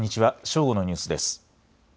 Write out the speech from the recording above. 正午のニュースです。